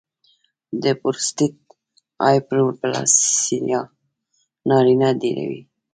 د پروسټیټ هایپرپلاسیا نارینه ډېروي.